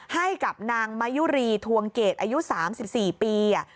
ให้กับนางมายุรีทวงเกรดอายุ๓๔ปี